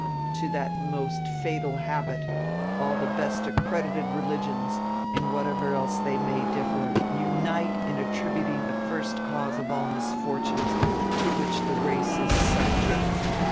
To that most fatal habit all the best accredited religions, in whatever else they may differ, unite in attributing the first cause of all misfortunes to which the race is subject....